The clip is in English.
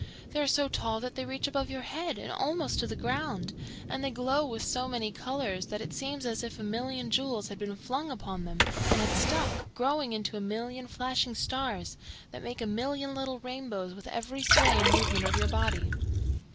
They are so tall that they reach above your head and almost to the ground, and they glow with so many colours that it seems as if a million jewels had been flung upon them and had stuck, growing into a million flashing stars that make a million little rainbows with every sway and movement of your body."